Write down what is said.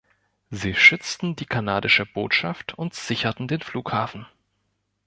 Sie schützten die kanadische Botschaft und sicherten den Flughafen.